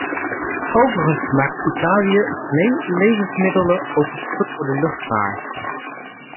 Overigens maakt Italië naast levensmiddelen ook spullen voor de luchtvaart.